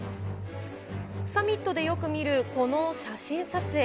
サミットでよく見る、この写真撮影。